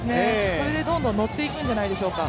これでどんどんノっていくんじゃないでしょうか。